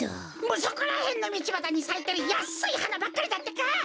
そこらへんのみちばたにさいてるやっすいはなばっかりだってか！